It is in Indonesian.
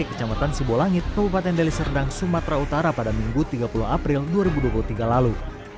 kecamatan sibolangit kabupaten deli serdang sumatera utara pada minggu tiga puluh april dua ribu dua puluh tiga lalu